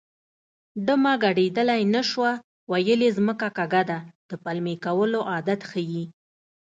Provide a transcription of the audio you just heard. ډمه ګډېدلی نه شوه ویل یې ځمکه کږه ده د پلمې کولو عادت ښيي